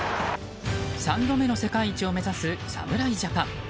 ３度目の世界一を目指す侍ジャパン。